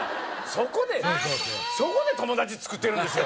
そこで友達つくってるんですよ